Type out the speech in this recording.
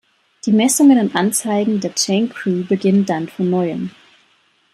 Die Messungen und Anzeigen der Chain Crew beginnen dann von neuem.